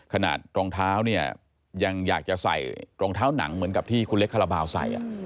รองเท้าเนี่ยยังอยากจะใส่รองเท้าหนังเหมือนกับที่คุณเล็กคาราบาลใส่